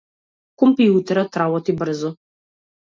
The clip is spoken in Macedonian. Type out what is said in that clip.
Компјутерот работи брзо.